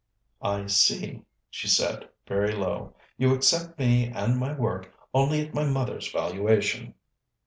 "I see," she said, very low. "You accept me and my work only at my mother's valuation."